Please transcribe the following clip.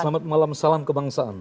selamat malam salam kebangsaan